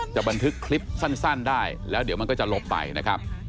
บันทึกคลิปสั้นได้แล้วเดี๋ยวมันก็จะลบไปนะครับ